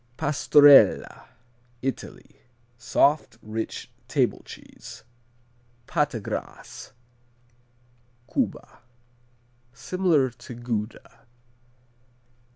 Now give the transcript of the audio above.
Pastorella Italy Soft, rich table cheese. Patagras Cuba Similar to Gouda.